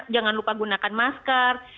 jangan lupa gunakan masker